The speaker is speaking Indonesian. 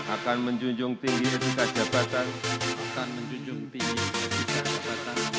akan menjunjung tinggi tugas jabatan